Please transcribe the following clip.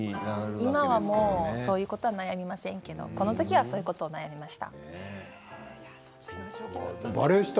今はそういうことは悩みませんけど、このときはそういうことを悩みました。